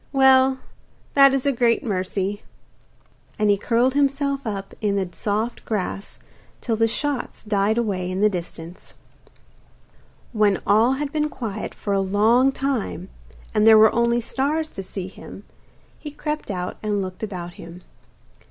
'Well, that is a great mercy.' And he curled himself up in the soft grass till the shots died away in the distance. When all had been quiet for a long time, and there were only stars to see him, he crept out and looked about him.